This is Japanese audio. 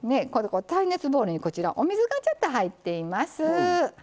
耐熱ボウルにこちらお水がちょっと入っています。